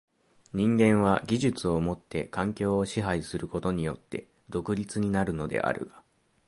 人間は技術をもって環境を支配することによって独立になるのであるが、